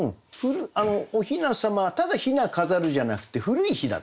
お雛様ただ雛飾るじゃなくて古い雛だって。